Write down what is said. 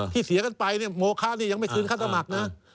ที่เสียกันไปโมค่านี่ยังไม่คืนค่าสมัครนะ